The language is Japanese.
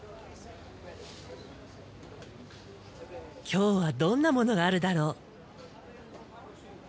今日はどんなものがあるだろう。